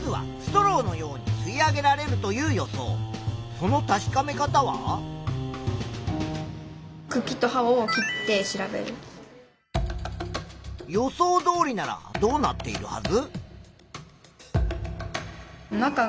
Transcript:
その確かめ方は？予想どおりならどうなっているはず？